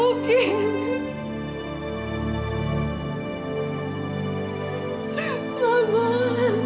oyu sudah meninggal ma